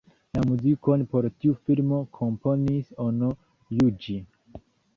La muzikon por tiu filmo komponis Ono Juĝi.